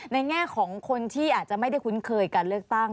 แง่ของคนที่อาจจะไม่ได้คุ้นเคยการเลือกตั้ง